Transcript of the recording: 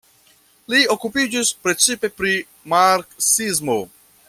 Li okupiĝis precipe pri marksismo.